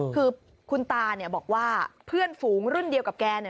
คือคุณตาบอกว่าเพื่อนฝูงรุ่นเดียวกับแก